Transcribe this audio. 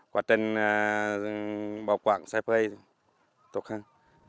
quá trình bảo quản xe phê tốt hơn